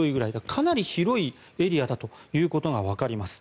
かなり広いエリアだということがわかります。